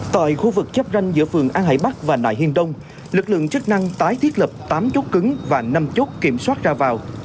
tại khu vực chắp ranh giữa phường an hải bắc và nại hiên đông lực lượng chức năng tái thiết lập tám chốt cứng và năm chốt kiểm soát ra vào